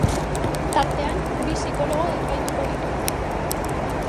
Tartean, bi psikologo epaituko dituzte.